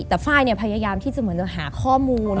แต่ฟ้ายเนี่ยยังพยายามที่จะเหมือนหาข้อมูล